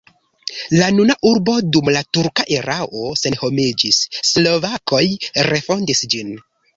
La nuna urbo dum la turka erao senhomiĝis, slovakoj refondis ĝin.